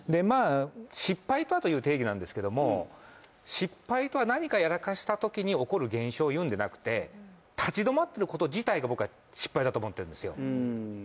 まあ失敗とはという定義なんですけども失敗とは何かやらかした時に起こる現象を言うんでなくて立ち止まってること自体が僕は失敗だと思ってるんですよ